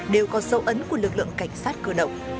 đều có dấu ấn của lực lượng cảnh sát cơ động